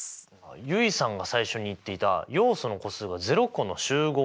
結衣さんが最初に言っていた要素の個数が０個の集合のことですね。